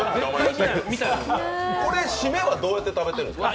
これ、シメはどうやって食べてるんですか？